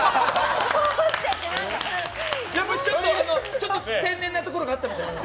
ちょっと天然なところがあったみたいで。